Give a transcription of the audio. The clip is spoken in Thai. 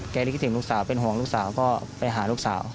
ที่คิดถึงลูกสาวเป็นห่วงลูกสาวก็ไปหาลูกสาว